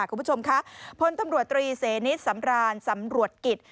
คุณผู้ชมคะพลตำรวจตรีเสนิทสำรานสำรวจกิจ